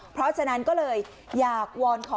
เพราะฉะนั้นก็เลยอยากวอนขอ